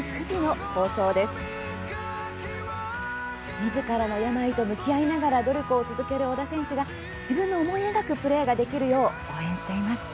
みずからの病と向き合いながら努力を続ける小田選手が自分の思い描くプレーができるよう応援しています。